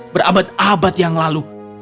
berabad abad yang lalu